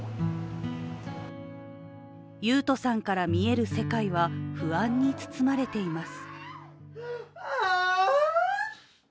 雄斗さんから見える世界は不安に包まれています。